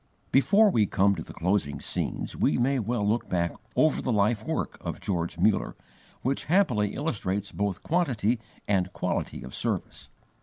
Before we come to the closing scenes, we may well look back over the life work of George Muller, which happily illustrates both quantity and quality of service.